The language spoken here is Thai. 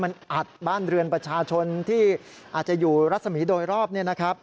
มันอัดบ้านเรือนประชาชนที่อาจจะอยู่รัศมีร์โดยรอบเนี่ยนะครับ